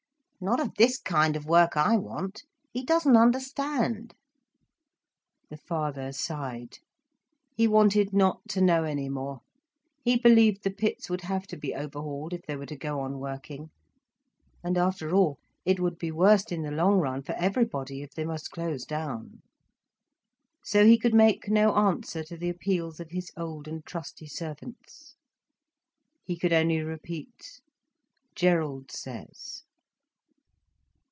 "Not of this kind of work I want. He doesn't understand." The father sighed. He wanted not to know any more. He believed the pits would have to be overhauled if they were to go on working. And after all, it would be worst in the long run for everybody, if they must close down. So he could make no answer to the appeals of his old and trusty servants, he could only repeat "Gerald says."